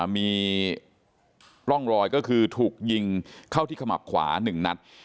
มีร่องรอยก็คือถูกยิงเข้าที่ขมับขวา๑นัด